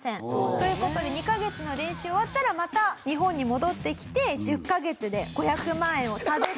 という事で２カ月の練習終わったらまた日本に戻ってきて１０カ月で５００万円をためて。